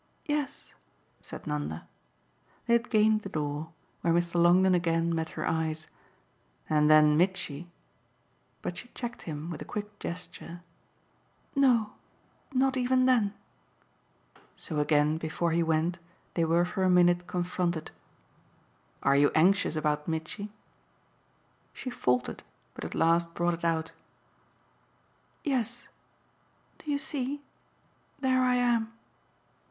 Yes," said Nanda. They had gained the door, where Mr. Longdon again met her eyes. "And then Mitchy !" But she checked him with a quick gesture. "No not even then!" So again before he went they were for a minute confronted. "Are you anxious about Mitchy?" She faltered, but at last brought it out. "Yes. Do you see? There I am."